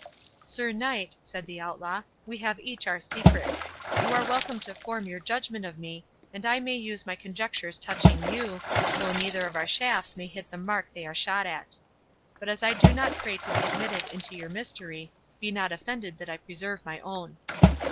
"Sir Knight," said the Outlaw, "we have each our secret. You are welcome to form your judgment of me, and I may use my conjectures touching you, though neither of our shafts may hit the mark they are shot at. But as I do not pray to be admitted into your mystery, be not offended that I preserve my own."